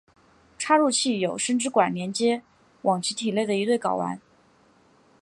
插入器有生殖管连接往其体内的一对睾丸。